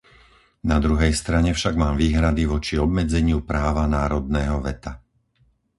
Na druhej strane však mám výhrady voči obmedzeniu práva národného veta.